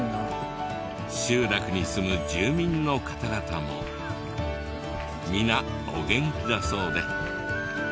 集落に住む住民の方々も皆お元気だそうで。